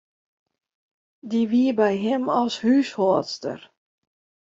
Dy wie by him as húshâldster.